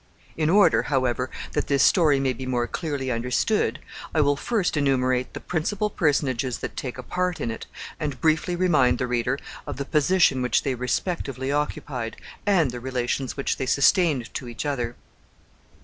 In order, however, that this story may be more clearly understood, I will first enumerate the principal personages that take a part in it, and briefly remind the reader of the position which they respectively occupied, and the relations which they sustained to each other.